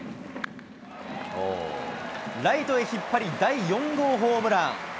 ライトへ引っ張り、第４号ホームラン。